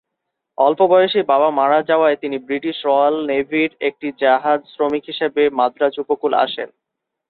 অল্প বয়সেই বাবা মারা যাওয়ায় তিনি ব্রিটিশ রয়াল নেভি-র একটি জাহাজের শ্রমিক হিসাবে মাদ্রাজ উপকূল আসেন।